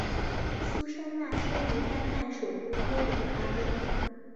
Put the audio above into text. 苏珊娜生于丹麦首都哥本哈根。